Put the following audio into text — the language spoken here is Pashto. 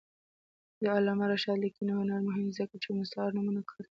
د علامه رشاد لیکنی هنر مهم دی ځکه چې مستعار نومونه کاروي.